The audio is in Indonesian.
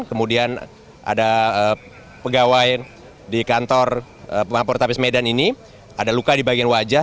kemudian ada pegawai di kantor tapis medan ini ada luka di bagian wajah